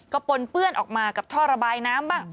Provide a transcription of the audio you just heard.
ก็ปนเปื้อนออกมากับท่อระบายน้ำบ้าง